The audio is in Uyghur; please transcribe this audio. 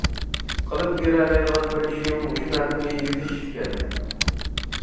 قىلىپ بېرەلەيدىغان بىر ئىشىم مۇشۇ نەرسىنى يېزىش ئىكەن.